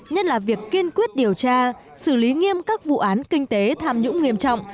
nhất là việc kiên quyết điều tra xử lý nghiêm các vụ án kinh tế tham nhũng nghiêm trọng